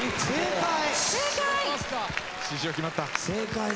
正解！